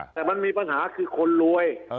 แต่มันมีปัญหาคือคนรวย